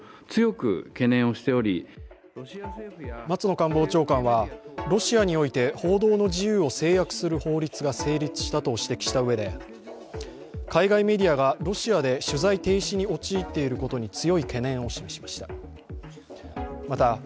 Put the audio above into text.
松野官房長は、ロシアにおいて報道の自由を制約する法律が成立したと指摘したうえで海外メディアがロシアで取材停止に陥っていることに強い懸念を示しました。